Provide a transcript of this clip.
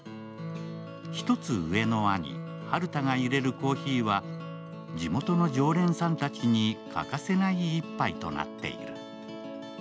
１つ上の兄・晴太がいれるコーヒーは地元の常連さんたちに欠かせない一杯となっている。